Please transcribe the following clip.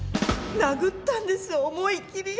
殴ったんです思い切り。